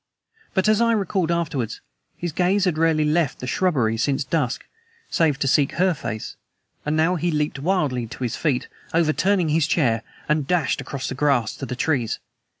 But, as I recalled afterwards, his gaze had rarely left the shrubbery since dusk, save to seek her face, and now he leaped wildly to his feet, overturning his chair, and dashed across the grass to the trees.